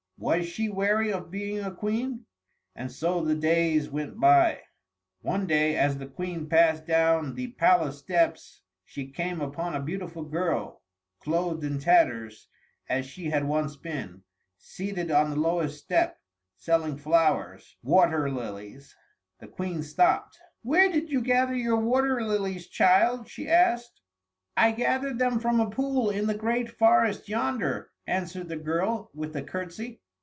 Was she weary of being a Queen? And so the days went by. One day as the Queen passed down the palace steps she came upon a beautiful girl, clothed in tatters as she had once been, seated on the lowest step, selling flowers water lilies. The Queen stopped. "Where did you gather your water lilies, child?" she asked. "I gathered them from a pool in the great forest yonder," answered the girl, with a curtsey.